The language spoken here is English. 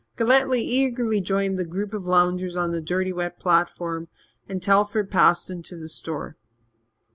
Galletly eagerly joined the group of loungers on the dirty wet platform, and Telford passed into the store.